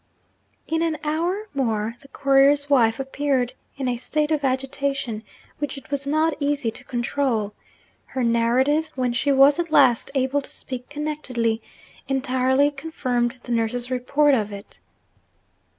In an hour more the courier's wife appeared, in a state of agitation which it was not easy to control. Her narrative, when she was at last able to speak connectedly, entirely confirmed the nurse's report of it.